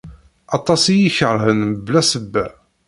Aṭas i iyi-ikerhen mebla ssebba.